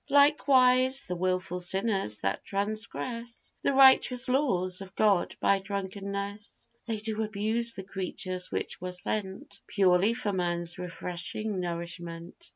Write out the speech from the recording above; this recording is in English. Likewise, the wilful sinners that transgress The righteous laws of God by drunkenness, They do abuse the creatures which were sent Purely for man's refreshing nourishment.